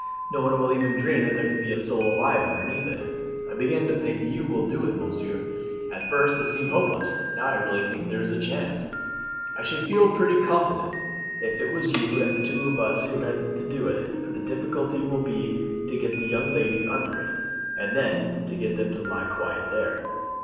No one will ever dream that there could be a soul alive underneath it. I begin to think you will do it, monsieur. At first it seemed hopeless. Now I really do think there is a chance. I should feel pretty confident if it was you and two of us who had to do it; but the difficulty will be to get the young ladies under it, and then to get them to lie quiet there."